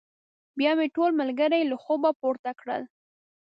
بيا مې ټول ملګري له خوبه پورته کړل.